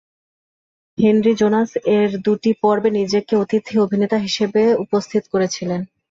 Henry, "Jonas" এর দুটি পর্বে নিজেকে অতিথি-অভিনেতা হিসেবে উপস্থিত করেছিলেন।